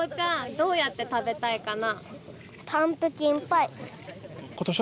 どうやって食べたいかな。